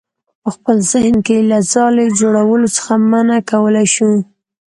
په خپل ذهن کې یې له ځالې جوړولو څخه منع کولی شو.